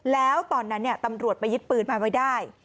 แล้วตอนนั้นตำรวจไปยึดปืนมาไว้ได้